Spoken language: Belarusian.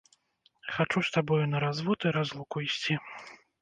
Хачу з табою на развод і разлуку ісці!